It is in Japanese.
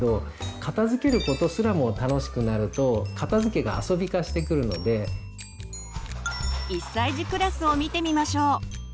片づけることすらも楽しくなると１歳児クラスを見てみましょう。